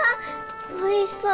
おいしそう。